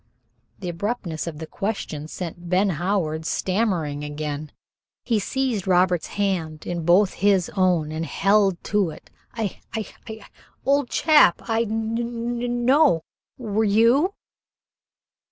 The abruptness of the question set Ben Howard stammering again. He seized Robert's hand in both his own and held to it. "I I I old chap I n n no were you?"